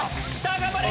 頑張れ！